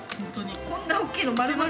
こんな大きいの丸々。